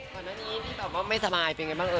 พอด้านนี้ไม่สบายเป็นไงบ้าง